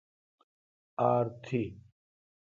ار تھ